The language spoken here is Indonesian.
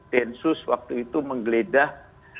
tensus waktu itu menggeledah